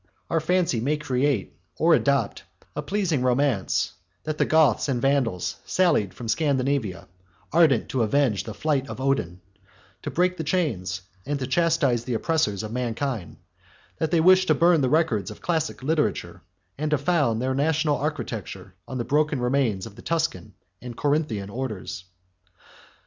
Our fancy may create, or adopt, a pleasing romance, that the Goths and Vandals sallied from Scandinavia, ardent to avenge the flight of Odin; 20 to break the chains, and to chastise the oppressors, of mankind; that they wished to burn the records of classic literature, and to found their national architecture on the broken members of the Tuscan and Corinthian orders.